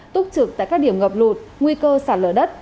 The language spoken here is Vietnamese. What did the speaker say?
túc trực tại các điểm ngập lụt nguy cơ sạt lở đất